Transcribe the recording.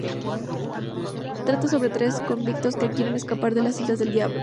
Trata sobre tres convictos que quieren escapar de la Isla del Diablo.